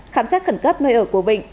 khám xét khẩn cấp nơi ở của vịnh